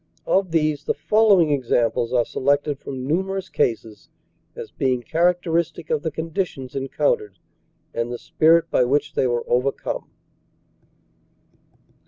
Of these the follow ing examples are selected from numerous cases as being char acteristic of the conditions encountered and the spirit by which they were overcome.